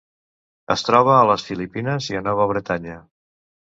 Es troba a les Filipines i a Nova Bretanya.